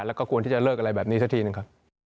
แล้วก็ควรที่จะเลิกอะไรแบบนี้สักทีหนึ่งครับ